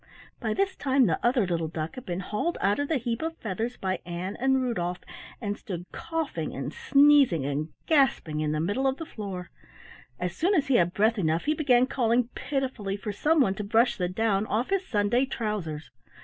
By this time the other little duck had been hauled out of the heap of feathers by Ann and Rudolf, and stood coughing and sneezing and gasping in the middle of the floor. As soon as he had breath enough he began calling pitifully for some one to brush the down off his Sunday trousers.